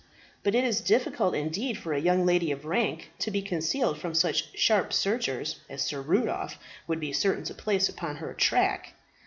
But it is difficult indeed for a young lady of rank to be concealed from such sharp searchers as Sir Rudolph would be certain to place upon her track.